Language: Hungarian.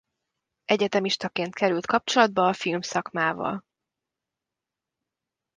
Egyetemistaként került kapcsolatba a filmszakmával.